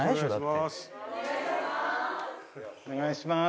お願いします。